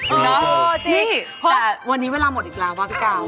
นี่แต่วันนี้เวลาหมดอีกแล้วว่าพี่กาว